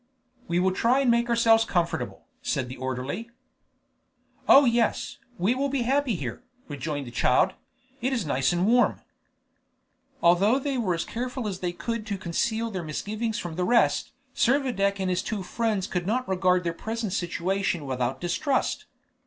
"We will try and make ourselves comfortable," said the orderly. "Oh yes, we will be happy here," rejoined the child; "it is nice and warm." Although they were as careful as they could to conceal their misgivings from the rest, Servadac and his two friends could not regard their present situation without distrust.